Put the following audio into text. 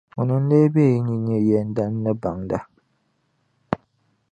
Ŋuni n-lee be yi ni n-nyɛ yɛndana ni baŋda?